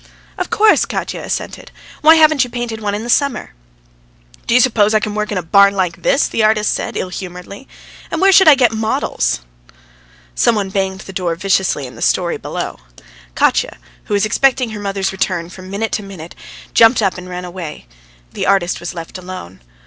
"Of course!" Katya assented. "Why haven't you painted one in the summer?" "Do you suppose I can work in a barn like this?" the artist said ill humouredly. "And where should I get models?" Some one banged the door viciously in the storey below. Katya, who was expecting her mother's return from minute to minute, jumped up and ran away. The artist was left alone.